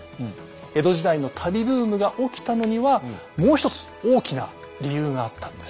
江戸時代の旅ブームが起きたのにはもう一つ大きな理由があったんです。